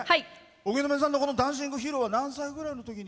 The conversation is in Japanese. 荻野目さんの「ダンシング・ヒーロー」は何歳ぐらいのときに？